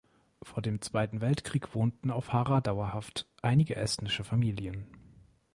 Vor dem Zweiten Weltkrieg wohnten auf Hara dauerhaft einige estnische Familien.